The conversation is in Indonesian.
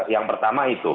yang pertama itu